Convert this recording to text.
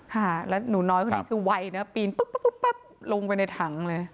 ค่ะแล้วหนูน้อยคนนี้คือไวนะปีนปุ๊บปั๊บลงไปในถังเลย